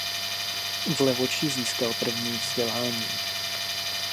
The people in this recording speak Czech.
V Levoči získal první vzdělání.